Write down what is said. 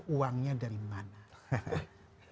uangnya dari mana